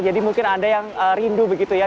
jadi mungkin anda yang rindu begitu ya